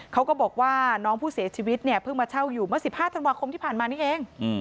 เขาก็บอกว่าน้องผู้เสียชีวิตเนี่ยเพิ่งมาเช่าอยู่เมื่อ๑๕ธันวาคมที่ผ่านมานี้เอง